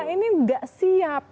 kita ini nggak siap